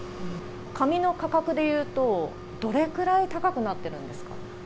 紙の価格でいうと、どれくらい高くなってるんですか？